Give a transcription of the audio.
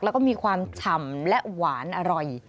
แล้วก็มีความฉ่ำและหวานอร่อย